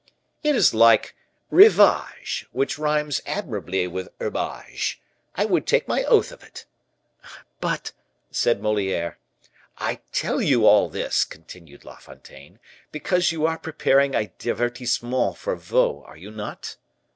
"It is like rivage, which rhymes admirably with herbage. I would take my oath of it." "But " said Moliere. "I tell you all this," continued La Fontaine, "because you are preparing a divertissement for Vaux, are you not?"